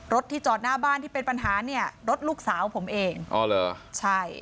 ที่จอดหน้าบ้านที่เป็นปัญหาเนี่ยรถลูกสาวผมเองอ๋อเหรอใช่